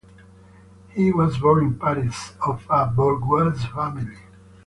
He was born in Paris, of a bourgeois family.